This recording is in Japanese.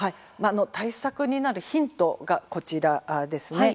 対策になるヒントがこちらです。